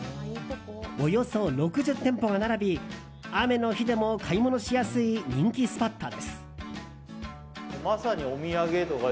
およそ６０店舗が並び雨の日でも買い物しやすい人気スポットです。